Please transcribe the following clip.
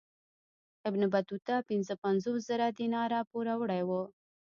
ابن بطوطه پنځه پنځوس زره دیناره پوروړی وو.